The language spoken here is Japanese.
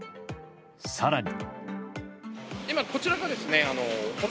更に。